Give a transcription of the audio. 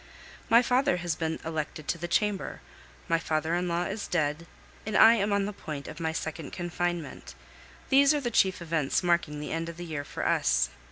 My father has been elected to the Chamber, my father in law is dead, and I am on the point of my second confinement; these are the chief events marking the end of the year for us.